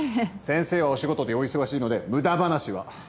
先生はお仕事でお忙しいので無駄話は。